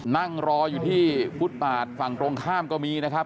นั่งรออยู่ที่ฟุตปาดฝั่งตรงข้ามก็มีนะครับ